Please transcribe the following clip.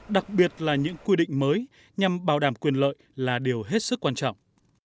đặc biệt là những quy định mới nhằm bảo đảm quyền lợi là điều hết sức quan trọng